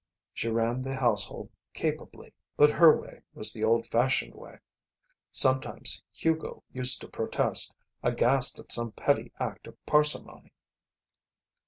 She ran the household capably, but her way was the old fashioned way. Sometimes Hugo used to protest, aghast at some petty act of parsimony.